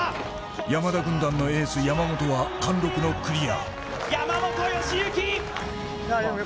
山田軍団のエース・山本は貫禄のクリア。